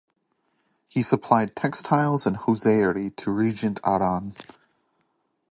He supplied textiles and hosiery to Regent Arran.